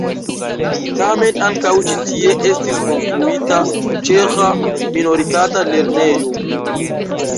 Tamen ankaŭ ĉi tie estis konstruita ĉeĥa minoritata lernejo.